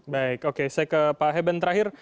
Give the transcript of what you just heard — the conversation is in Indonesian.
baik oke saya ke pak heben terakhir